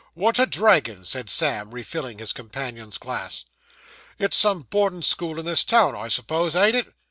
'What a dragon!' said Sam, refilling his companion's glass. 'It's some boarding school in this town, I suppose, ain't it?